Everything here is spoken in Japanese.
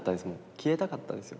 消えたかったですよ